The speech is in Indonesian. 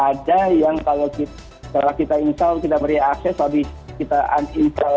ada yang kalau kita install kita beri akses habis kita uninstall penuh itu dia akan hilang secara penuh